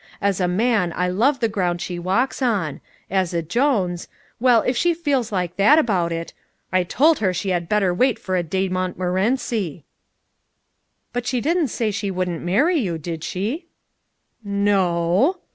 As a man I love the ground she walks on; as a Jones well, if she feels like that about it I told her she had better wait for a De Montmorency." "But she didn't say she wouldn't marry you, did she?" "N o o o!"